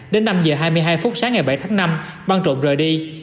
đến năm h hai mươi hai phút sáng ngày bảy tháng năm băng trộm rời đi